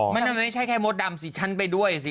มันไม่ใช่แค่มดดำสิฉันไปด้วยสิ